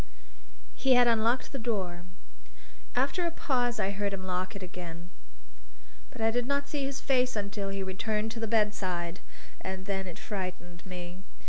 He had unlocked the door; after a pause I heard him lock it again. But I did not see his face until he returned to the bedside. And then it frightened me.